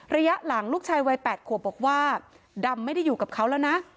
ระยะหลังลูกชายวัย๘ขวบบอกว่าดำไม่ได้อยู่กับเขาแล้วนะ